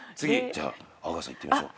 じゃあ阿川さんいってみましょう。